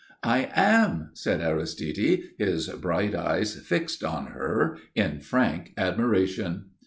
"I am," said Aristide, his bright eyes fixed on her in frank admiration.